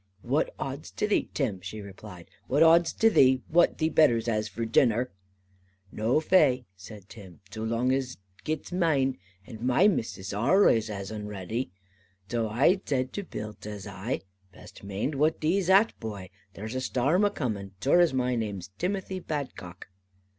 "What odds to thee, Tim," she replied, "what odds to thee, what thee betters has for dinner?" "Noo fai," said Tim, "zo long as ai gits maine, and my missus arlways has un raddy. Zo I zed to Bill, zays I, 'Best maind what thee's at boy, there's a starm a coomin, zure as my name's Timothy Badcock.